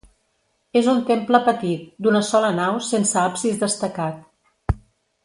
És un temple petit, d'una sola nau sense absis destacat.